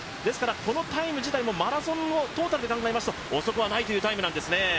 このタイム自体もマラソンのトータルで考えますと遅くはないというタイムなんですね。